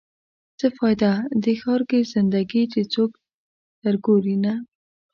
څه فایده؟ دې ښار کې زنده ګي چې څوک در ګوري نه